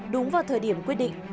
đúng vào thời điểm quyết định